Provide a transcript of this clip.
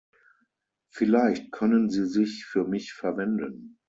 Vielleicht können Sie sich für mich verwenden.